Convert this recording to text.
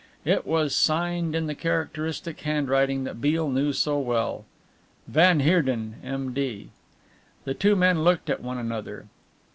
It was signed in the characteristic handwriting that Beale knew so well "Van Heerden, M.D." The two men looked at one another.